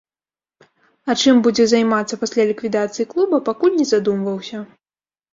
А чым будзе займацца пасля ліквідацыі клуба, пакуль не задумваўся.